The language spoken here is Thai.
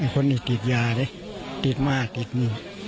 คนนี้ติดยาติดมากติดมือ